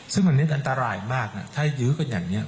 ซึ่งอันนี้อันตรายมากถ้ายื้อกันอย่างนี้